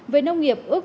về nông nghiệp